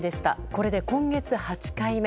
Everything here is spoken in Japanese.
これで今月８回目。